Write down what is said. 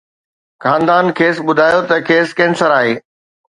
خاندان کيس ٻڌايو ته کيس ڪينسر آهي